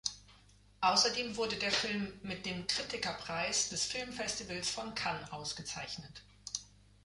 Außerdem wurde der Film mit dem Kritikerpreis des Filmfestivals von Cannes ausgezeichnet.